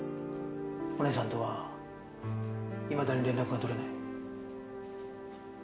お姉さんとはいまだに連絡が取れない。